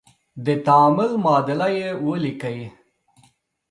د تعامل معادله یې ولیکئ.